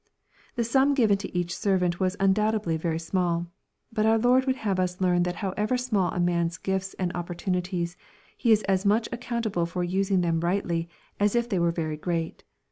] The sum given to each servant was undoubtedly very small. But our Lord would have us learn that however small a man's gifts and opportunities, he is as much accountable for using them rightly as if they were very great.